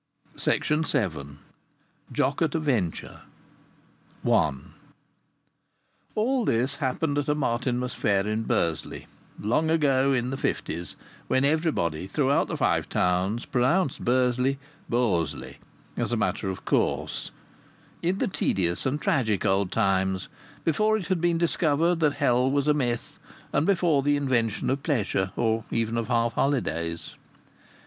I have seen God. JOCK AT A VENTURE I All this happened at a Martinmas Fair in Bursley, long ago in the fifties, when everybody throughout the Five Towns pronounced Bursley "Bosley" as a matter of course; in the tedious and tragic old times, before it had been discovered that hell was a myth, and before the invention of pleasure or even of half holidays.